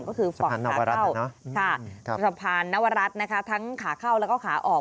ก็คือฝั่งขาเข้าสะพานนวรัฐนะคะทั้งขาเข้าแล้วก็ขาออก